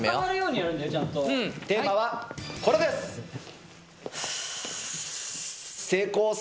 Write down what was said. テーマはこれです。